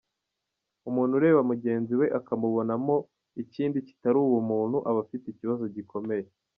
Umuntu ureba mugenzi we akamubona mo ikindi kitari ubumuntu aba afite ikibazo gikomeye.